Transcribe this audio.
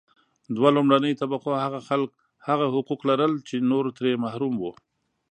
دوه لومړنیو طبقو هغه حقوق لرل چې نور ترې محروم وو.